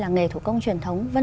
nghề thủ công truyền thống